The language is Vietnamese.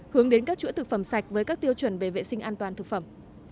hướng đến các chuỗi thực phẩm sạch với các tiêu chuẩn về vệ sinh an toàn thực phẩm